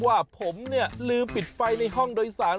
ว่าผมเนี่ยลืมปิดไฟในห้องโดยสาร